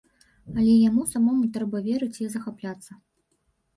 Але яму самому трэба верыць і захапляцца.